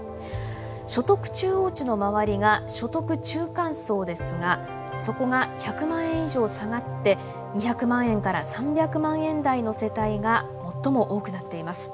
所得中央値の周りが所得中間層ですがそこが１００万円以上下がって２００万円から３００万円台の世帯が最も多くなっています。